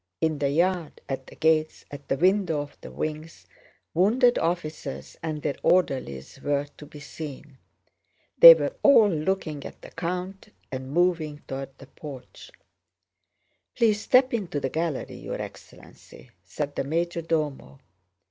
In the yard, at the gates, at the window of the wings, wounded officers and their orderlies were to be seen. They were all looking at the count and moving toward the porch. "Please step into the gallery, your excellency," said the major domo.